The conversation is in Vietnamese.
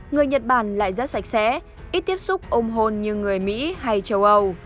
người nhật bản lại rất sạch sẽ ít tiếp xúc ôm hôn như người mỹ hay châu âu